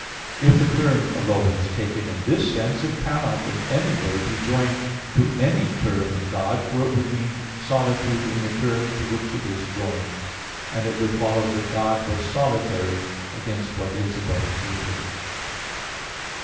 If the term "alone" is taken in this sense, it cannot in any way be joined to any term in God; for it would mean solitude in the term to which it is joined; and it would follow that God was solitary, against what is above stated (A.